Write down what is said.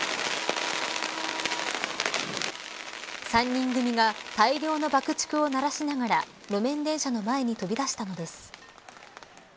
３人組が、大量の爆竹を鳴らしながら路面電車の前に飛び出したのです。